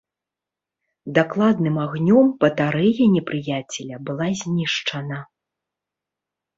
Дакладным агнём батарэя непрыяцеля была знішчана.